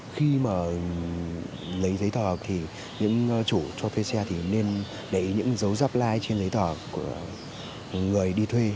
khi mà lấy giấy tờ thì những chủ cho thuê xe thì nên để ý những dấu dắp lai trên giấy tờ của người đi thuê